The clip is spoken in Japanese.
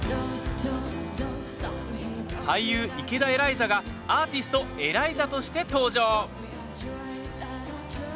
俳優・池田エライザがアーティストＥＬＡＩＺＡとして登場。